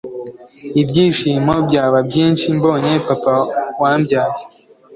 Ibyishimo byaba byinshi mbonye papa wambyaye